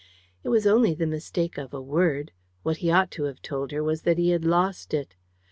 It was only the mistake of a word what he ought to have told her was that he had lost it.